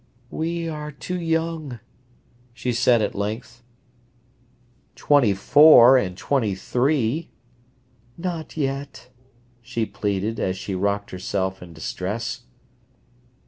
"We are too young," she said at length. "Twenty four and twenty three—" "Not yet," she pleaded, as she rocked herself in distress.